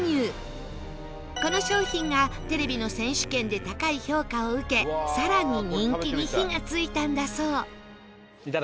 この商品がテレビの選手権で高い評価を受けさらに人気に火が付いたんだそう